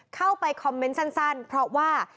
เข้าไปคอมเมนต์สั้นเพราะว่า